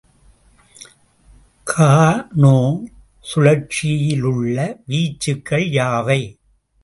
கானோ சுழற்சியிலுள்ள வீச்சுகள் யாவை?